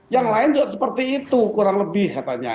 yang lain juga seperti itu kurang lebih katanya